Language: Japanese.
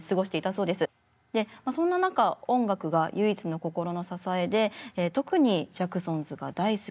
でまあそんな中音楽が唯一の心の支えで特にジャクソンズが大好き。